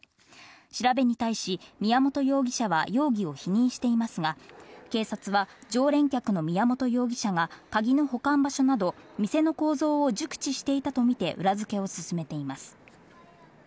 調べに対し宮本容疑者は容疑を否認していますが、警察は常連客の宮本容疑者が鍵の保管場所など店の構造を熟知していたとみて、裏付けを進めています。